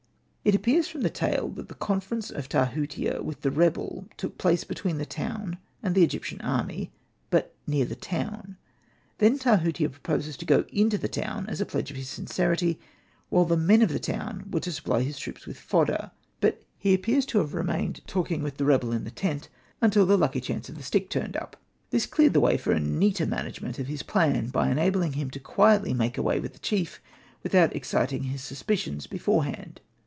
It appears from the tale that the con ference of Tahutia with the rebel took place between the town and the Egyptian army, but near the town. Then Tahutia proposes to go into the town as a pledge of his sincerity, while the men of the town were to supply his troops with fodder. But he appears to have remained talking with the Hosted by Google 10 THE TAKING OF JOPPA rebel in the tent, until the lucky chance of the stick turned up. This cleared the way for a neater management of his plan, by enabling him to quietly make away with the chief, without exciting his suspicions beforehand.